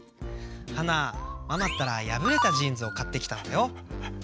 ハナママったらやぶれたジーンズを買ってきたんだよ。